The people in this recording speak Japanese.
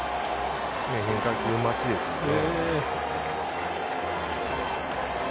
変化球待ちでしたよね。